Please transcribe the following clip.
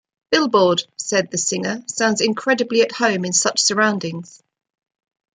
"Billboard" said "the singer sounds incredibly at home in such surroundings.